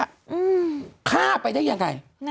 คุณหนุ่มกัญชัยได้เล่าใหญ่ใจความไปสักส่วนใหญ่แล้ว